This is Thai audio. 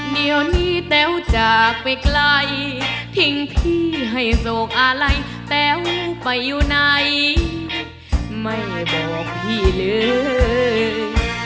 เดี๋ยวนี้แต้วจากไปไกลทิ้งพี่ให้โศกอะไรแต้วไปอยู่ไหนไม่บอกพี่เลย